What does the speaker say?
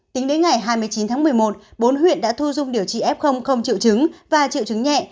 tính đến ngày hai mươi chín tháng một mươi một bốn huyện đã thu dung điều trị f không triệu chứng và triệu chứng nhẹ